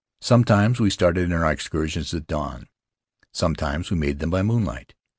Sometimes we started on our excursions at dawn; sometimes we made them by moonlight.